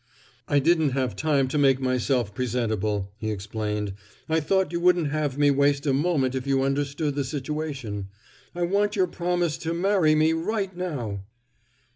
"I didn't have time to make myself presentable," he explained. "I thought you wouldn't have me waste a moment if you understood the situation. I want your promise to marry me right now!"